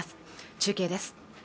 中継です